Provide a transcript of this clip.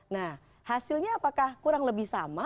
nah hasilnya apakah kurang lebih sama